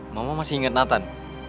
mama masih inget nathan